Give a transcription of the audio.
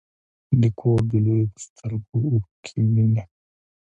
د کور د لویو په سترګو اوښکې وینې.